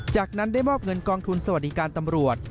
จากนั้นได้มอบเงินกองทุนสวัสดิการตำรวจ